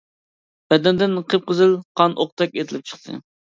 بەدەندىن قىپقىزىل قان ئوقتەك ئېتىلىپ چىقتى.